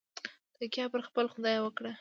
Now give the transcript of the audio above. تکیه پر خپل خدای وکړه.